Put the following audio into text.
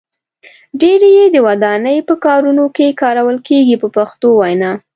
ډیری یې د ودانۍ په کارونو کې کارول کېږي په پښتو وینا.